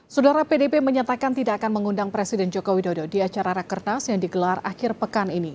saudara pdb menyatakan tidak akan mengundang presiden joko widodo di acara rakernas yang digelar akhir pekan ini